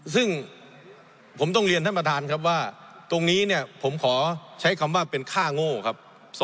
ซึ่งผมต้องเรียนท่านประธานครับว่าตรงนี้เนี่ยผมขอใช้คำว่าเป็นค่าโง่ครับ